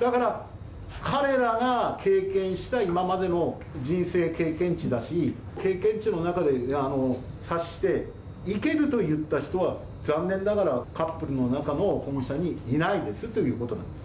だから、彼らが経験した今までの人生経験値だし、経験値の中で察して、いけると言った人は残念ながらカップルの中の保護者にいないですということなんです。